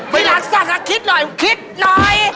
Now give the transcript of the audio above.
พี่หลักสั่งคิดหน่อยคิดหน่อย